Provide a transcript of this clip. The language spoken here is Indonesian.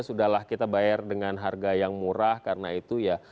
sudahlah kita bayar dengan harga yang murah karena itu ya